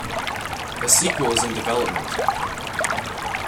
A sequel is in development.